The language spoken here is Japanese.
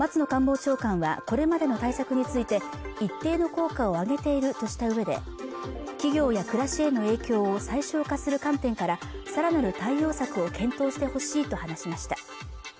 官房長官はこれまでの対策について一定の効果を上げているとしたうえで企業や暮らしへの影響を最小化する観点からさらなる対応策を検討してほしいと話しました